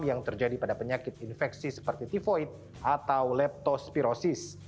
yang terjadi pada penyakit infeksi seperti tivoid atau leptospirosis